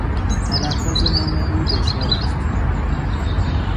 تلفظ نام او دشوار است.